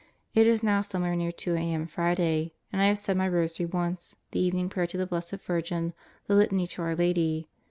It is now somewhere near 2 a.m. Friday, and I have said my rosary once, the evening prayer to the Blessed Virgin, the Litany to Our Lady.